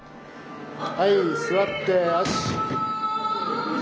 はい座って足。